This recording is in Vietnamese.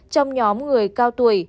trong nhóm người cao tuổi